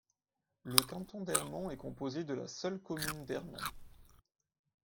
Le canton d'Ermont est composé de la seule commune d'Ermont.